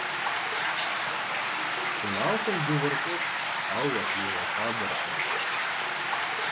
Ş'ımaxuem dığer khops, aue vukhiğexuaberkhım.